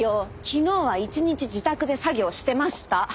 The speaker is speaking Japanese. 昨日は一日自宅で作業してました。